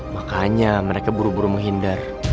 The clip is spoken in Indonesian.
makanya mereka buru buru menghindar